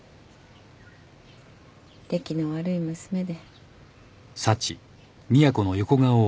出来の悪い娘で。